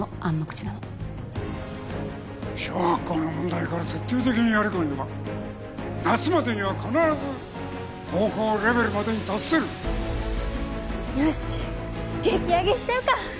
知なの小学校の問題から徹底的にやり込めば夏までには必ず高校レベルまでに達するよし激あげしちゃうか！